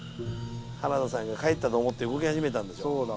原田さんが帰ったと思って動き始めたんでしょ。